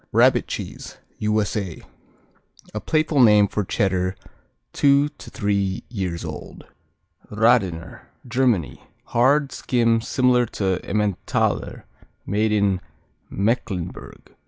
Rabbit Cheese U.S.A. A playful name for Cheddar two to three years old. Radener Germany Hard; skim, similar to Emmentaler; made in Mecklenburg.